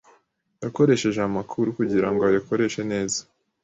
Yakoresheje aya makuru kugirango ayakoreshe neza.